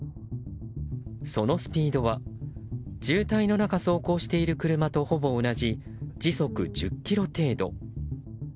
そのスピードは渋滞の中走行している車とほぼ同じ、時速１０キロ程度。